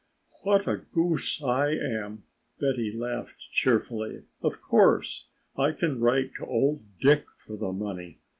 "What a goose I am!" Betty laughed cheerfully. "Of course I can write to old Dick for the money.